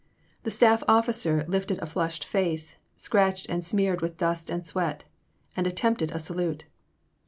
The staff officer lifted a flushed face, scratched and smeared with dust and sweat, and attempted a salute.